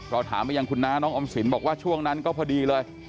เราถามไปยังคุณน้าน้องออมสินบอกว่าช่วงนั้นก็พอดีเลย